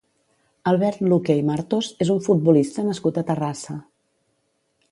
Albert Luque i Martos és un futbolista nascut a Terrassa.